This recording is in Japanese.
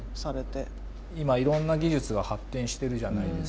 今いろんな技術が発展してるじゃないですか。